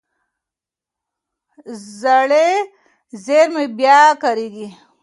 زړې زېرمې بیا کارېږي.